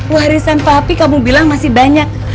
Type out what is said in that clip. warisan papi kamu bilang masih banyak